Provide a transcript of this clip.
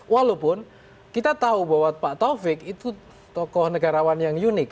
walaupun kita tahu bahwa pak taufik itu tokoh negarawan yang unik